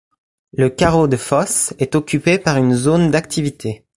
Le carreau de fosse est occupé par une zone d'activités.